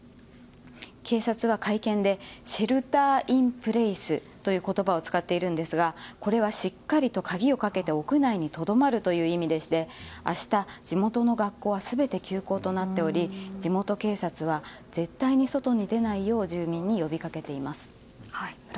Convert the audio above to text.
警察は会見でシェルターインプレイスという言葉を使っていますがこれは、しっかりと鍵をかけて屋内にとどまるという意味でして明日、地元の学校は全て休校となっており地元警察は絶対に外に出ないよう住民に呼びかけています。